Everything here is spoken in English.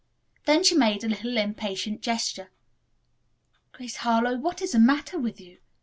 Then she made a little impatient gesture. "Grace Harlowe, what is the matter with you?